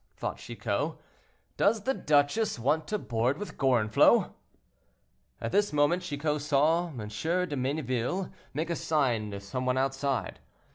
thought Chicot; "does the duchess want to board with Gorenflot?" At this moment Chicot saw M. de Mayneville make a sign to some one outside.